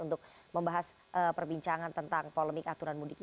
untuk membahas perbincangan tentang polemik aturan mudik ini